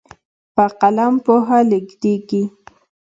په قلم پوهه لیږدېږي.